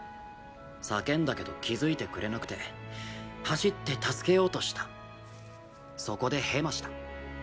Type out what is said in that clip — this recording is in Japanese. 叫んだけど気付いてくれなくて走って助けようとしたそこでヘマした。